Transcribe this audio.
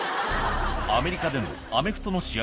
アメリカでのアメフトの試合